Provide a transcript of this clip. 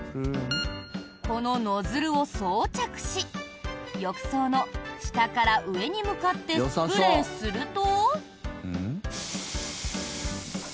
このノズルを装着し浴槽の下から上に向かってスプレーすると。